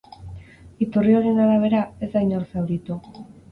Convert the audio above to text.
Iturri horien arabera, ez da inor zauritu.